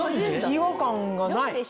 違和感がない。